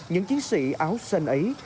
những chiến sĩ áo xanh ấy